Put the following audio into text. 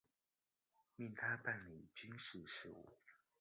命他办理军机事务。